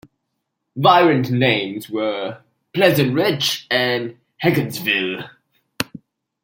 Variant names were Pleasant Ridge and Hagensville.